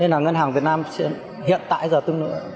nên là ngân hàng việt nam hiện tại là tương đối